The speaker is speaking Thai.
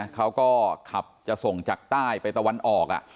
เขาก็ขับจะส่งจากใต้ไปตะวันออก